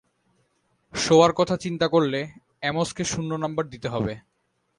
শোয়ার কথা চিন্তা করলে, অ্যামোসকে শূন্য নম্বর দিতে হবে।